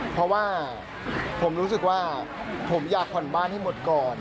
เพราะว่าผมรู้สึกว่าผมอยากผ่อนบ้านให้หมดก่อน